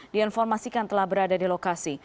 diinformasikan telah berada di lokasi